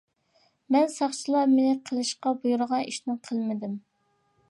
مەن ساقچىلار مېنى قىلىشقا بۇيرۇغان ئىشىنى قىلمىدىم.